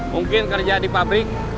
mungkin kerja di pabrik